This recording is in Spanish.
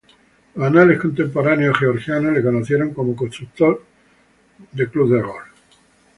Los anales contemporáneos Georgianos le conocieron como "constructor de iglesias".